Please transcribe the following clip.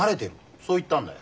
そう言ったんだよ。